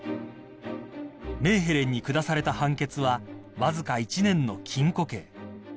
［メーヘレンに下された判決はわずか１年の禁錮刑］